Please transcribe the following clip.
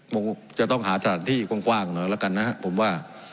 ผมจะต้องหาสถานที่กว้างหน่อยแล้วกันนะครับผมว่า